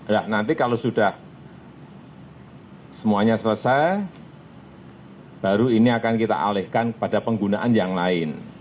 ya nanti kalau sudah semuanya selesai baru ini akan kita alihkan kepada penggunaan yang lain